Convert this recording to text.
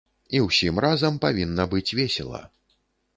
І ўсім разам павінна быць весела.